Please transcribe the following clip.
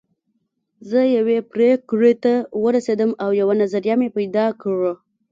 زه يوې پرېکړې ته ورسېدم او يوه نظريه مې پيدا کړه.